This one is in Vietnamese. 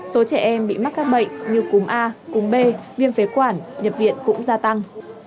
số trẻ em bị mắc các bệnh như cúm a cúng b viêm phế quản nhập viện cũng gia tăng